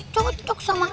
cocok sama aku